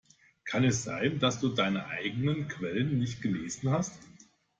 Kann es sein, dass du deine eigenen Quellen nicht gelesen hast?